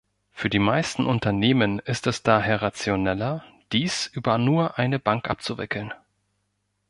Für die meisten Unternehmen ist es daher rationeller, dies über nur eine Bank abzuwickeln.